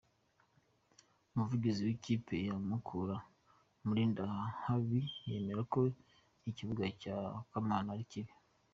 Umuvugizi w'ikipe ya Mukura, Murindahabi yemera ko ikibuga cya Kamana ari kibi.